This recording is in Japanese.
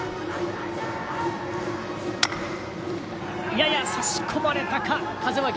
やや差し込まれたか。